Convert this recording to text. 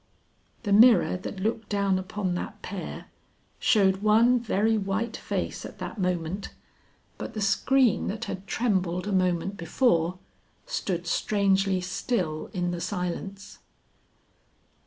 The mirror that looked down upon that pair, showed one very white face at that moment, but the screen that had trembled a moment before, stood strangely still in the silence.